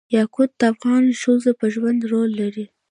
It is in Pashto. یاقوت د افغان ښځو په ژوند کې رول لري.